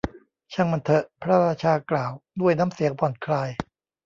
ช่างมันเถอะ พระราชากล่าว ด้วยน้ำเสียงผ่อนคลาย